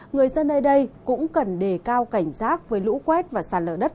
người dân ở đây cũng cần đề cao cảnh giác với lũ quét và sản lở đất